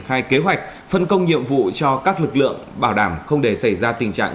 khai kế hoạch phân công nhiệm vụ cho các lực lượng bảo đảm không để xảy ra tình trạng